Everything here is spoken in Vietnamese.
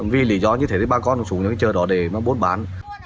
vì lý do như thế thì bà con đứng xuống những cái chợ đó để bút bán